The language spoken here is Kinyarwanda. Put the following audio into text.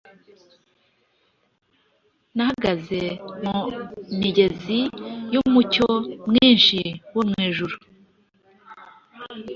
Nahagaze mumigezi Yumucyo mwinshi wo mwijuru,